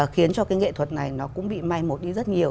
khiến cho cái nghệ thuật này nó cũng bị may mốt đi rất nhiều